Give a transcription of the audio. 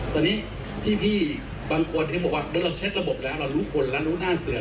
ตอนนี้พี่บางคนเขาบอกว่าเราเช็ดระบบแล้วเรารู้คนแล้วรู้หน้าเสือ